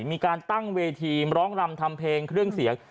มีการตั้งเวทีร้องรำทำเพลงเครื่องเสียง